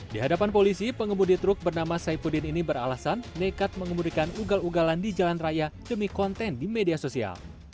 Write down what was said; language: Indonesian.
di hadapan polisi pengemudi truk bernama saipudin ini beralasan nekat mengemudikan ugal ugalan di jalan raya demi konten di media sosial